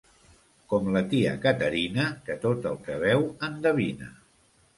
Com la tia Caterina, que tot el que veu endevina.